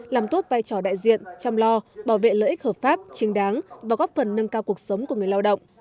làm tốt vai trò đại diện chăm lo bảo vệ lợi ích hợp pháp trình đáng và góp phần nâng cao cuộc sống của người lao động